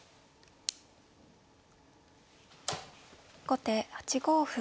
後手８五歩。